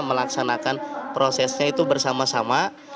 melaksanakan prosesnya itu bersama sama